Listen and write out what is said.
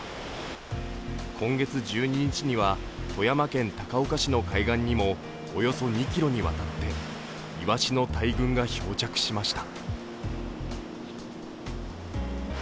今月１２日には富山県高岡市の海岸にもおよそ２ｋｍにわたってイワシの大群が漂着しました。